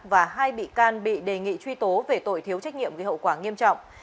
và hai bị can bị đề nghị truy tố về tội thiếu trách nhiệm gây hậu quả nghiêm trọng